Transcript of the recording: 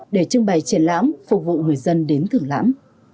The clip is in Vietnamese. để trưng bày triển lãm phục vụ người dân đến thưởng lãm